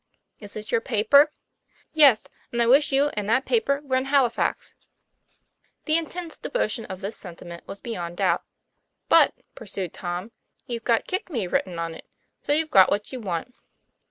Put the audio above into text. " Is this your paper?" "Yes; and I wish you and that paper were in Halifax." 56 TOM PLAYFAIR. The intense devotion of this sentiment was beyond doubt. "But," pursued Tom, "you've got 'kick me* writ ten on it. So you've got what you want.